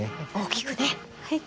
大きくね。